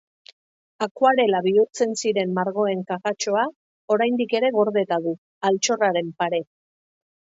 Akuarela bihurtzen ziren margoen kajatxoa, oraindik ere gordeta du, altxorraren pare.